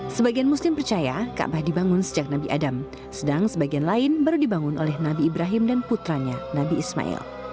sebagian muslim percaya kaabah dibangun sejak nabi adam sedang sebagian lain baru dibangun oleh nabi ibrahim dan putranya nabi ismail